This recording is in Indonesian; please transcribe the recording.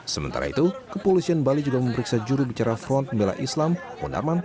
sementara itu kepolisian bali juga memeriksa jurubicara front pembela islam munarman